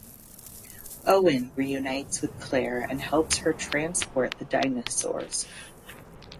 Owen reunites with Claire and helps her transport the dinosaurs.